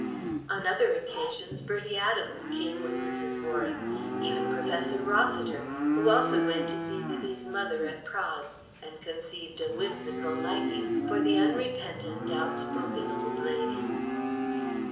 On other occasions Bertie Adams came with Mrs. Warren; even Professor Rossiter, who also went to see Vivie's mother at Praed's, and conceived a whimsical liking for the unrepentant, outspoken old lady.